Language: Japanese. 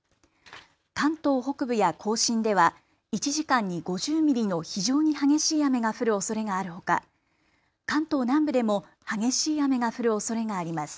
関東北部や甲信では１時間に５０ミリの非常に激しい雨が降るおそれがあるほか関東南部でも激しい雨が降るおそれがあります。